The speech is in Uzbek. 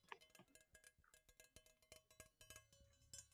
Bu suhbatda shoir Chorsham Ro’ziyev ham bor edi.